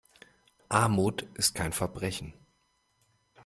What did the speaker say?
Armut ist kein Verbrechen.